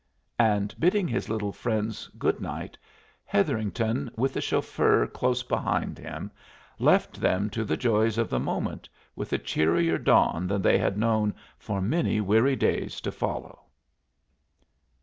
And bidding his little friends good night, Hetherington, with the chauffeur close behind him, left them to the joys of the moment, with a cheerier dawn than they had known for many weary days to follow.